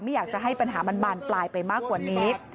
อยากจะให้ปัญหามันบานปลายไปมากกว่านี้